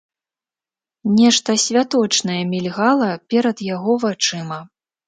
Нешта святочнае мільгала перад яго вачыма.